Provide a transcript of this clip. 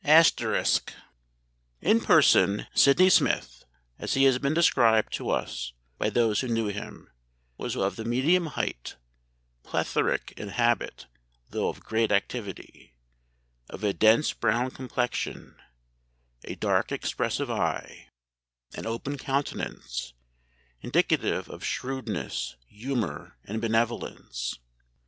*] "In person, Sydney Smith, as he has been described to us by those who knew him, was of the medium height; plethoric in habit though of great activity, of a dense brown complexion, a dark expressive eye, an open countenance, indicative of shrewdness, humour, and benevolence.